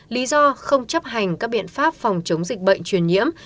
lý do không chấp hành các biện pháp phòng chống dịch bệnh truyền nhiễm